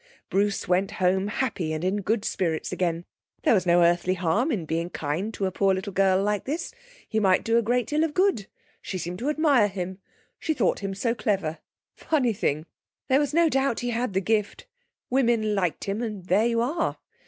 Bruce went home happy and in good spirits again. There was no earthly harm in being kind to a poor little girl like this. He might do a great deal of good. She seemed to admire him. She thought him so clever. Funny thing, there was no doubt he had the gift; women liked him, and there you are.